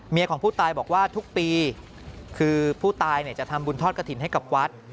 ของผู้ตายบอกว่าทุกปีคือผู้ตายจะทำบุญทอดกระถิ่นให้กับวัด